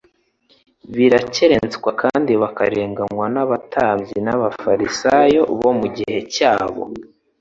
barakerenswa kandi bakarenganywa n'abatambyi n'abafarisayo bo mu gihe cyabo.